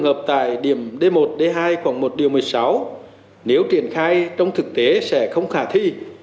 trường hợp tại điểm d một d hai khoảng một điều một mươi sáu nếu triển khai trong thực tế sẽ không khả thi